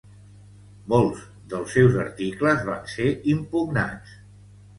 Molts dels seus articles van ser impugnats.